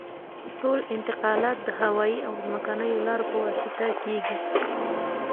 ټول انتقالات د هوایي او ځمکنیو لارو په واسطه کیږي